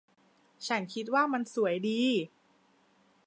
ฉันคิดว่ามันสวยดี